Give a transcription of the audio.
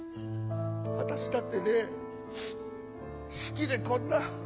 私だってね好きでこんな。